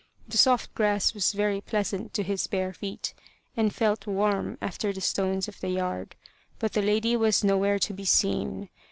The soft grass was very pleasant to his bare feet, and felt warm after the stones of the yard; but the lady was nowhere to be seen.